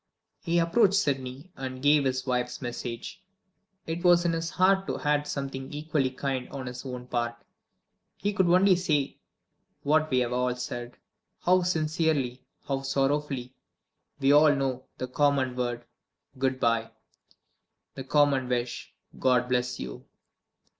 He approached Sydney, and gave his wife's message. It was in his heart to add something equally kind on his own part. He could only say what we have all said how sincerely, how sorrowfully, we all know the common word, "Good by!" the common wish, "God bless you!"